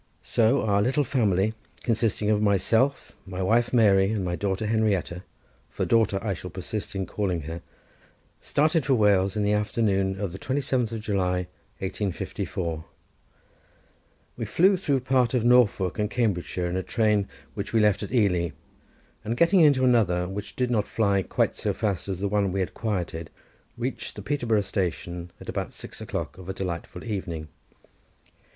So our little family, consisting of myself, my wife Mary, and my daughter Henrietta, for daughter I shall persist in calling her, started for Wales in the afternoon of the 27th July, 1854. We flew through part of Norfolk and Cambridgeshire in a train which we left at Ely, and getting into another, which did not fly quite so fast as the one we had quitted, reached the Peterborough station at about six o'clock of a delightful evening.